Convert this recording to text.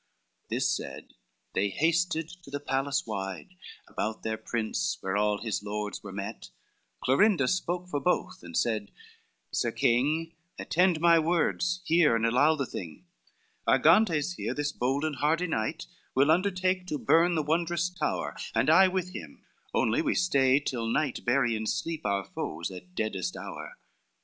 This said, they hasted to the palace wide About their prince where all his lords were met, Clorinda spoke for both, and said, "Sir king, Attend my words, hear, and allow the thing: X "Argantes here, this bold and hardy knight, Will undertake to burn the wondrous tower, And I with him, only we stay till night Bury in sleep our foes at deadest hour."